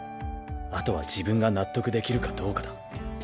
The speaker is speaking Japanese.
あとは自分が納得できるかどうかだ。